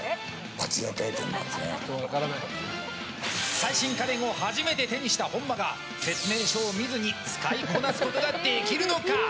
最新家電を初めて手にした本間が説明書を見ずに使いこなすことができるのか？